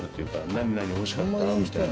何々美味しかった？みたいな。